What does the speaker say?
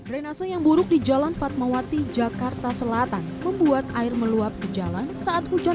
renase yang buruk di jalan fatmawati jakarta selatan membuat air meluap ke jalan saat hujan